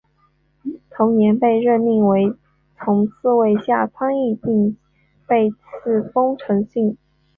同年被任命为从四位下参议并被下赐丰臣姓。